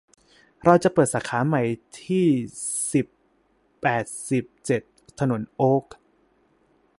เราจะเปิดสาขาใหม่ที่ สิบ แปดสิบเจ็ด ถนนโอ๊ค